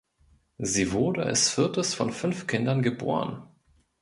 Sie wurde als viertes von fünf Kindern geboren.